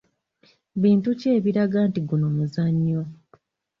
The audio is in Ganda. Bintu ki ebiraga nti guno muzannyo?